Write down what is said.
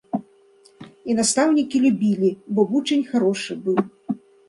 І настаўнікі любілі, бо вучань харошы быў.